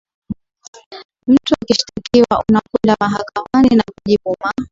mtu ukishtakiwa unakwenda mahakamani na kujibu ma